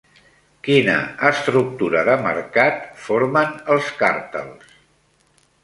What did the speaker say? Quina estructura de mercat formen els càrtels?